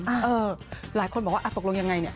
เออหลายคนบอกว่าอ่ะตกลงยังไงเนี่ย